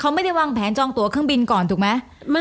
เขาไม่ได้วางแผนจองตัวเครื่องบินก่อนถูกไหม